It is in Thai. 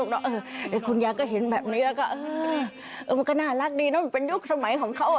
เดี๋ยวคุณยายก็เห็นแบบนี้แล้วก็เออมันก็น่ารักดีเนอะมันเป็นยุคสมัยของเขา